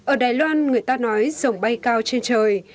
ở đài loan người ta nói rồng bay cao trên trời